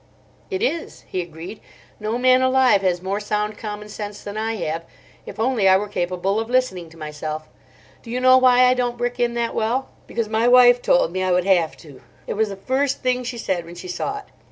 "It is," he agreed. "No man alive has more sound commonsense than I have, if only I were capable of listening to myself. Do you know why I don't brick in that well? Because my wife told me I would have to. It was the first thing she said when she saw it.